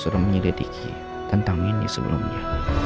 sudah menyelidiki tentang ini sebelumnya